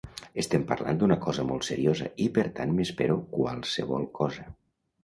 Estem parlant d’una cosa molt seriosa i per tant m’espero qualsevol cosa.